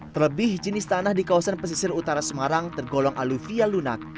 terlebih jenis tanah di kawasan pesisir utara semarang tergolong aluvia lunak